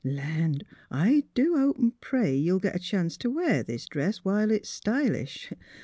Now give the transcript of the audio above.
Land! I do hope an' pray you'll git a chance t' wear this dress while it's stylish.